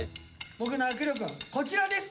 僕の握力はこちらです